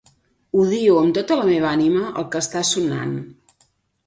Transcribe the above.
Odio amb tota la meva ànima el que està sonant.